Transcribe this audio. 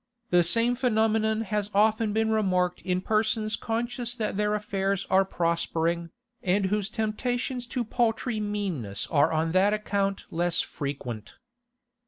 The same phenomenon has often been remarked in persons conscious that their affairs are prospering, and whose temptations to paltry meanness are on that account less frequent.